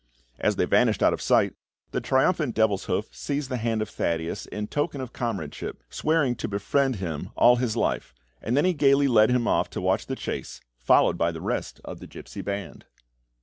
As they vanished out of sight, the triumphant Devilshoof seized the hand of Thaddeus in token of comradeship, swearing to befriend him all his life; and then he gaily led him off to watch the chase, followed by the rest of the gipsy band.